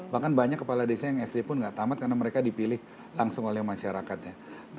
bahkan banyak kepala desa yang sd pun nggak tamat karena mereka dipilih langsung oleh masyarakatnya